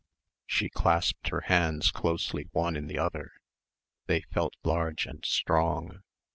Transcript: She clasped her hands closely one in the other. They felt large and strong.